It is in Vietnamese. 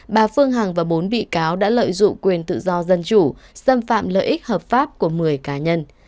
bà phương hằng và bốn bị cáo đã lợi dụng quyền tự do dân chủ xâm phạm lợi ích hợp pháp của một mươi cá nhân